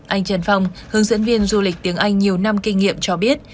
anh trần phong hướng dẫn viên du lịch tiếng anh nhiều năm kinh nghiệm cho biết